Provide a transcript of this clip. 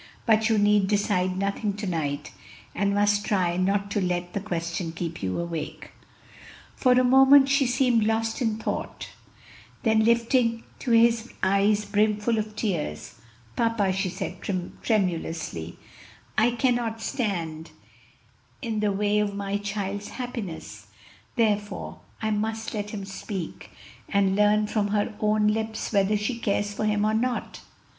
But you need decide nothing to night, and must try not to let the question keep you awake." For a moment she seemed lost in thought, then lifting to his, eyes brimful of tears, "Papa," she said tremulously, "I cannot stand in the way of my child's happiness, therefore I must let him speak, and learn from her own lips whether she cares for him or not."